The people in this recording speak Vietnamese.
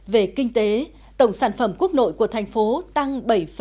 về kinh tế tổng sản phẩm quốc nội của thành phố tăng bảy tám